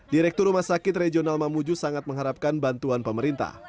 direktur rumah sakit regional mamuju sangat mengharapkan bantuan pemerintah